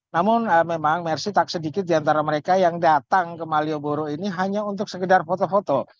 namun memang mersi tak sedikit diantara mereka yang datang ke malioboro ini hanya untuk sekedar foto foto